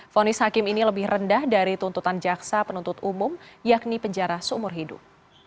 fonis hakim ini lebih rendah dari tuntutan jaksa penuntut umum yakni penjara seumur hidup